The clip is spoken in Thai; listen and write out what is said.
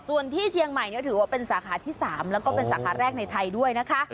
ส่วนที่เชียงใหม่ถือว่าเป็นสาขาที่๓แล้วก็เป็นสาขาแรกในไทยด้วยนะคะ